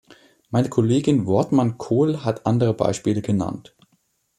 Meine Kollegin Wortmann-Kool hat andere Beispiele genannt.